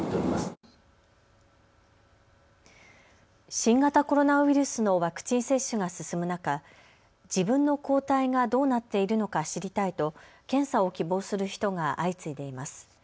新型コロナウイルスのワクチン接種が進む中、自分の抗体がどうなっているのか知りたいと検査を希望する人が相次いでいます。